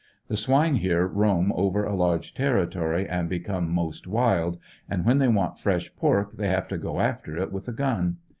The swine here roam over a large ter ritory and become most wild, and when they want fresh pork they have to go after it with a gun.